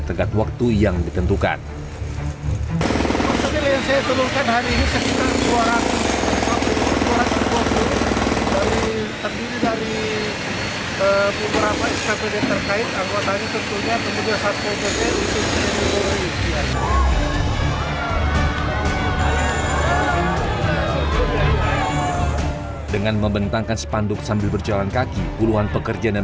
saat waktu yang ditentukan dengan membentangkan sepanduk sambil berjalan kaki puluhan pekerja dan